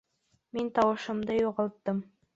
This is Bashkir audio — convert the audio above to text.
Мин тауышымды юғалттым